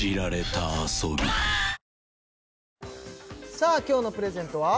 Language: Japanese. さあ今日のプレゼントは？